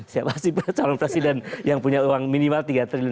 siapa sih calon presiden yang punya uang minimal tiga triliun